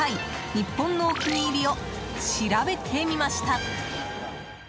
日本のお気に入りを調べてみました。